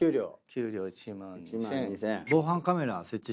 給料１万２，０００円。